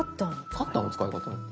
「カッターの使い方」？